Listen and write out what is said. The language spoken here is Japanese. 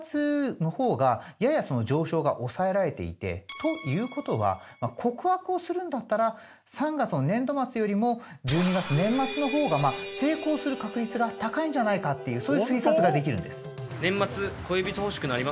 という事は告白をするんだったら３月の年度末よりも１２月年末の方が成功する確率が高いんじゃないかっていうそういう推察ができるんです。